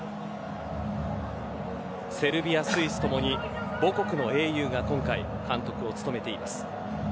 セルビア、スイスともに母国の英雄が今回、監督を務めています。